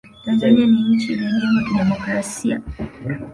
tanzania ni nchi iliyojengwa kidemokrasia